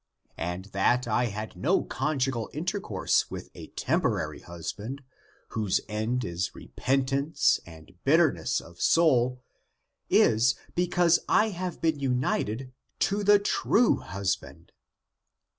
And that I had no conjugal intercourse with a temporary hus band, whose end is repentance and bitterness of soul, is, because I have been united to the true husband."